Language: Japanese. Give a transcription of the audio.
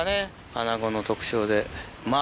アナゴの特徴で。